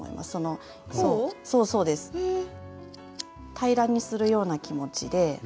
平らにするような気持ちで。